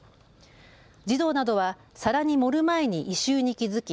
児童などは皿に盛る前に異臭に気付き